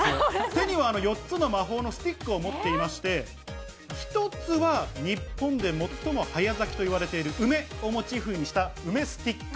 手には４つの魔法のスティックを持っていまして、１つは日本で最も早咲きといわれている梅をモチーフにした梅スティック。